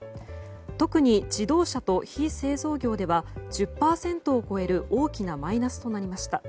特に自動車と非製造業では１０％を超える大きなマイナスとなりました。